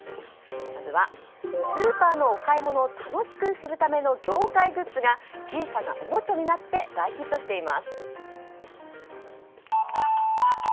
まずはスーパーのお買い物を楽しくするための業界グッズが小さなおもちゃになって大ヒットしています。